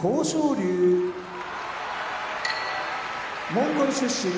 龍モンゴル出身